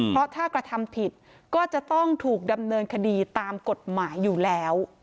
เพราะถ้ากระทำผิดก็จะต้องถูกดำเนินคดีตามกฎหมายอยู่แล้ว